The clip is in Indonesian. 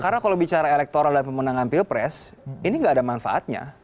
karena kalau bicara elektoral dan pemenangan pilpres ini tidak ada manfaatnya